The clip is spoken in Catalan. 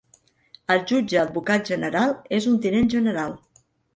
El jutge advocat general és un tinent general.